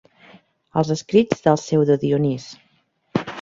Els escrits del Pseudo Dionís.